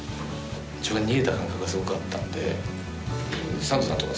自分が逃げた感覚がすごくあったんで。